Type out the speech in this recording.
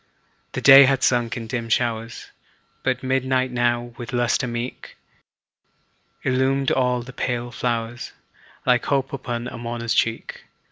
The day had sunk in dim showers, But midnight now, with lustre meet. Illumined all the pale flowers, Like hope upon a mourner's cheek.